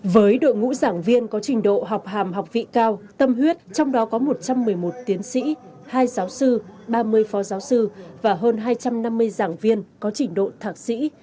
với đội ngũ giảng viên có trình độ học hàm học vị cao tâm huyết trong đó có một trăm một mươi một tiến sĩ hai giáo sư ba mươi phó giáo sư và hơn hai trăm năm mươi giảng viên có trình độ thạc sĩ